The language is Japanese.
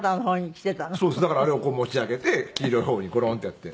だからあれを持ち上げて黄色い方にコロンってやって。